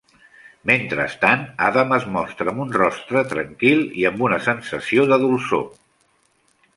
Mentrestant, Adam es mostra amb un rostre tranquil i amb una sensació de dolçor.